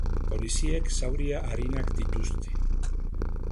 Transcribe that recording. Poliziek zauri arinak dituzte.